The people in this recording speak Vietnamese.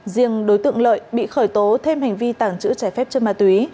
riêng đối tượng lợi bị khởi tố thêm hành vi tàng trữ trái phép chân ma túy